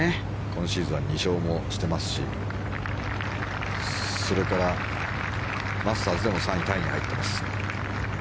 今シーズンは２勝もしてますしマスターズでも３位タイに入っています。